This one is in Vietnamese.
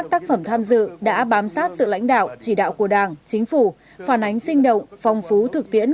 thủ tướng chính phủ phản ánh sinh động phong phú thực tiễn